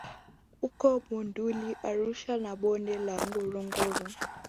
huko Monduli Arusha na Bonde la Ngorongoro